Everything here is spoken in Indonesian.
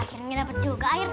akhirnya dapet juga air